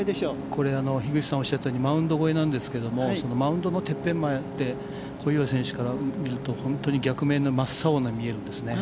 これ樋口さんがおっしゃったようにマウンド越えなんですがマウンドのてっぺんまで小祝選手から見ると本当に逆目の真っ青に見えるんですね。